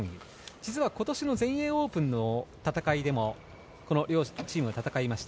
実は今年の全英オープンでもこの両チームは戦いました。